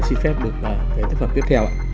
xin phép được cái tác phẩm tiếp theo